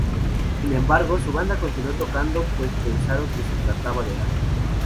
Sin embargo, su banda continuó tocando, pues pensaron que se trataba del acto.